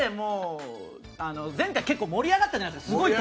前回、結構盛り上がったじゃないですか。